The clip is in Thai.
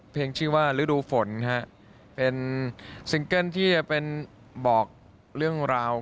ชื่อว่าฤดูฝนฮะเป็นซิงเกิ้ลที่จะเป็นบอกเรื่องราว